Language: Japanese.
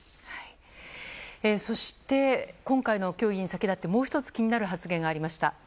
今回の協議に先立ってもう１つ気になる発言がありました。